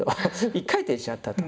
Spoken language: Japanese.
１回転しちゃったと。